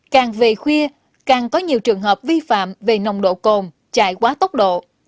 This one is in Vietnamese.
càng về khuya càng có nhiều trường hợp vi phạm về nồng độ cồn chạy quá tốc độ